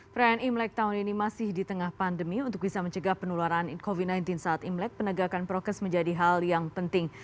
perayaan imlek tahun ini masih di tengah pandemi untuk bisa mencegah penularan covid sembilan belas saat imlek penegakan prokes menjadi hal yang penting